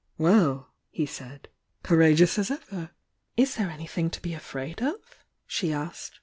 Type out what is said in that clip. "Well!" he said.— "Courageous as ever?" "Is there anything to be afraid of?" she asked.